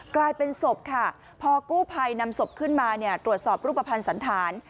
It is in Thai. กลายเป็นศพค่ะพอกู้ภัยนำศพขึ้นมาตรวจสอบรูปภัณฑ์สันธาร